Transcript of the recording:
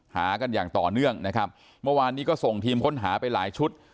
หากันอย่างต่อเนื่องนะครับเมื่อวานนี้ก็ส่งทีมค้นหาไปหลายชุด